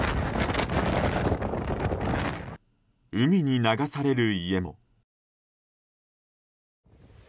海に流される家も。